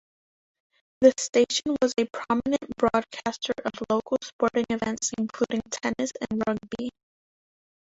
The station was a prominent broadcaster of local sporting events including Tennis and Rugby.